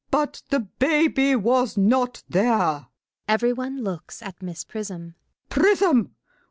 ] But the baby was not there! [Every one looks at Miss Prism.] Prism!